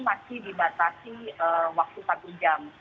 sebenarnya kalau dalam satu leg ya itu satu jam